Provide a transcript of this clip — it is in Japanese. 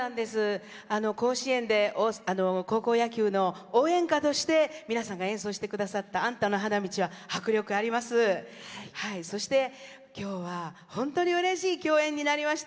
甲子園で高校野球の応援歌として皆さんが演奏してくださった「あんたの花道」は迫力ありました。